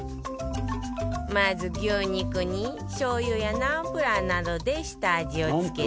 まず牛肉にしょう油やナンプラーなどで下味を付けたら